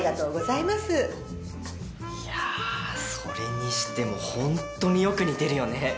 いやそれにしてもホントによく似てるよね。